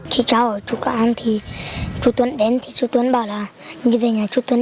khi cháu ở chú cạn thì chú tuấn đến thì chú tuấn bảo là đi về nhà chú tuấn